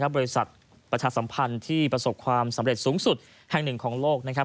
บริษัทประชาสัมพันธ์ที่ประสบความสำเร็จสูงสุดแห่งหนึ่งของโลกนะครับ